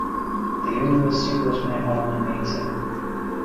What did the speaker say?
The university was my Alma Mata.